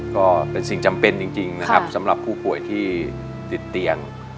ก็เป็นสิ่งจำเป็นจริงนะครับสำหรับผู้ป่วยที่ติดเตียง